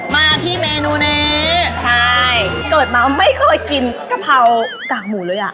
มาที่เมนูนี้ใช่เกิดมาไม่เคยกินกะเพรากากหมูเลยอ่ะ